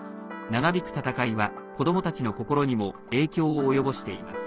長引く戦いは子どもたちの心にも影響を及ぼしています。